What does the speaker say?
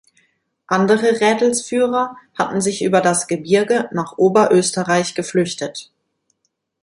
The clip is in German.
Andere Rädelsführer hatten sich über das Gebirge nach Oberösterreich geflüchtet.